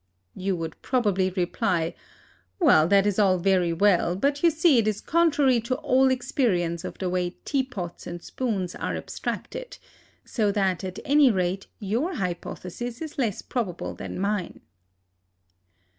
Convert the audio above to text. You would probably reply, "Well, that is all very well, but you see it is contrary to all experience of the way tea pots and spoons are abstracted; so that, at any rate, your hypothesis is less probable than mine."